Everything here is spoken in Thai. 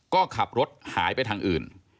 ก็ขับรถหายไปทางอื่น